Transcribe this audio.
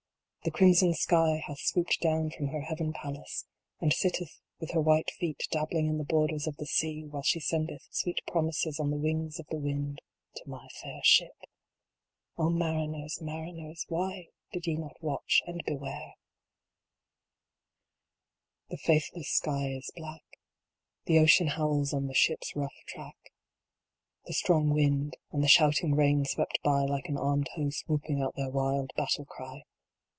36 THE SHIP THAT WENT DOWN. 37 The crimson sky hath swooped down from her Heaven Palace, and sitteth with her white feet dabbling in the borders of the sea, while she sendeth sweet promises on the wings of the wind to my fair Ship. O mariners, mariners, why did ye not watch and beware ? III. The faithless sky is black. The ocean howls on the Ship s rough track. The strong wind, and the shouting rain swept by like an armed host whooping out their wild battle cry.